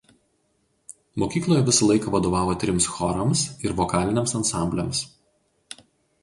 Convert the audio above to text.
Mokykloje visą laiką vadovavo trims chorams ir vokaliniams ansambliams.